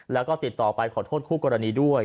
แล้วก็ติดต่อไปขอโทษคู่กรณีด้วย